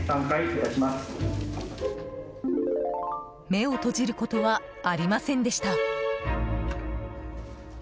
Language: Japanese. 目を閉じることはありませんでした。